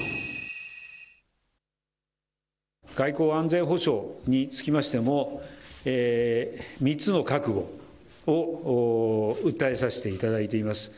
外交・安全保障につきましても、３つの覚悟を訴えさせていただいています。